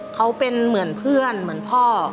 เขาเป็นเหมือนเพื่อนเหมือนพ่อ